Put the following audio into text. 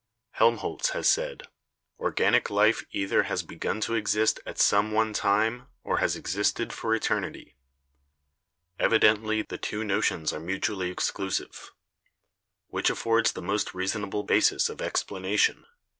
Helmholtz has said, "Organic life either has begun to exist at some one time or has existed for eternity." Evidently the two notions are mutually exclusive. Which affords the most reasonable basis of explanation?